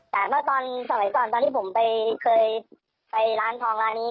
แต่เมื่อตอนสมัยก่อนตอนที่ผมเคยไปร้านทองร้านนี้